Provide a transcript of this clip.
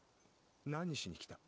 何しに来た？